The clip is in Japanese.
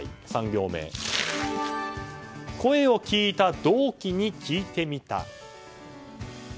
３行目声を聞いた同期に聞いてみた。